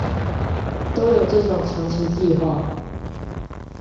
都有這種長期計畫